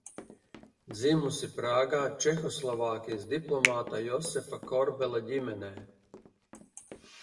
Dzimusi Prāgā Čehoslovākijas diplomāta Josefa Korbela ģimenē.